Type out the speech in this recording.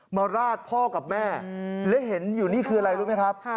ราดพ่อกับแม่และเห็นอยู่นี่คืออะไรรู้ไหมครับ